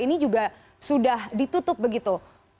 ini juga sudah ditutup begitu